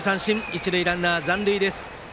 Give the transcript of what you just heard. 一塁ランナー、残塁です。